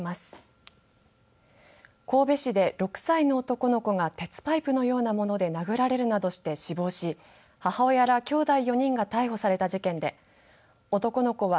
大阪からは神戸市で６歳の男の子が鉄パイプのようなもので殴られるなどして死亡し母親らきょうだい４人が逮捕された事件の続報ですこんにちは。